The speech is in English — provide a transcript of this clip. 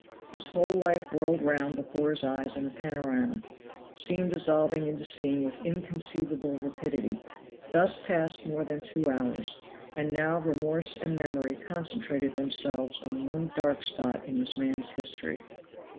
His whole life whirled round before his eyes in a panorama, scene dissolving into scene with inconceivable rapidity; thus passed more than two hours; and now remorse and memory concentrated themselves on one dark spot in this man's history.